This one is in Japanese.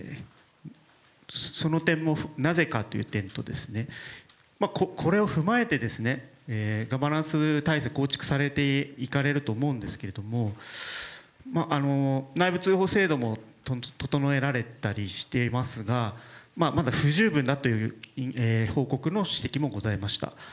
その点もなぜかという点とこれを踏まえて、ガバナンス体制を構築されていくと思うんですけれども内部通報制度も整えられたりしていますが、まだ不十分だという報告・指摘もございました。